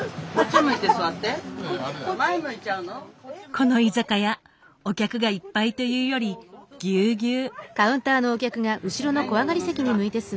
この居酒屋お客がいっぱいというよりぎゅうぎゅう。